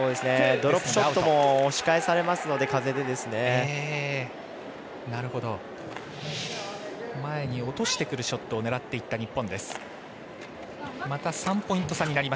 ドロップショットも前に落としてくるショットを狙っていった日本。